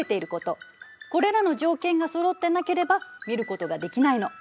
これらの条件がそろってなければ見ることができないの。